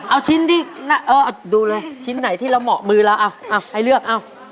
เอาชิ้นที่ดูเลยชิ้นไหนที่เราเหมาะมือเราอ่ะให้เลือกเอา